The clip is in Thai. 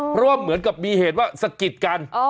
เพราะว่าเหมือนกับมีเหตุว่าสะกิดกัน